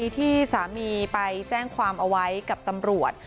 ที่สามีไปแจ้งความเอาไว้กับตำรวจ